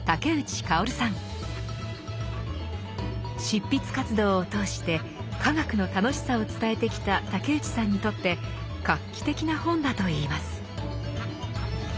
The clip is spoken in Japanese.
執筆活動を通して科学の楽しさを伝えてきた竹内さんにとって画期的な本だといいます。